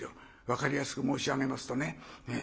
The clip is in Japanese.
分かりやすく申し上げますとね。